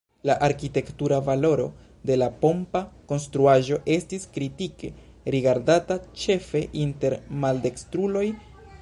La arkitektura valoro de la pompa konstruaĵo estis kritike rigardata, ĉefe inter maldekstruloj.